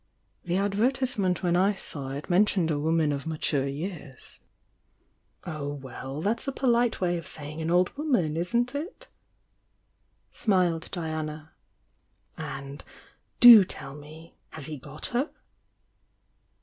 "The ad vertisement when I saw it mentioned a woman of mature years." "Oh, well, that's a pohte way of saying an old woman, isn't it?" smiled Diana. "And— do tell me' — has he rot her?"